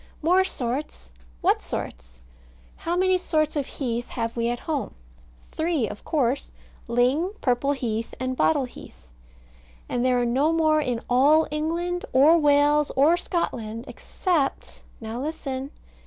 More sorts! What sorts? How many sorts of heath have we at home? Three, of course: ling, and purple heath, and bottle heath. And there are no more in all England, or Wales, or Scotland, except Now, listen.